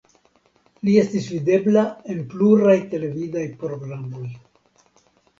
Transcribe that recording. Li estis videbla en pluraj televidaj programoj.